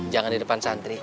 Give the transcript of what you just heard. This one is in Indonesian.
jangan di depan santri